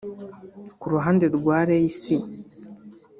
Ku ruhande rwa Ray C